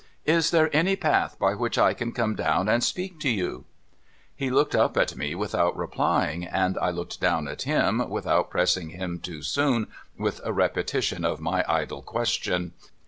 ' Is there any path by which I can come down and speak to you ?' He looked up at me without replying, and I looked down at him without pressing him too soon with a repetition of my idle question.